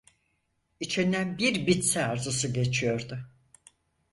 İçinden "Bir bitse!" arzusu geçiyordu.